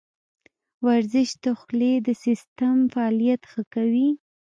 ورزش د خولې د سیستم فعالیت ښه کوي.